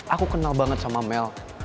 aku kenal banget sama mel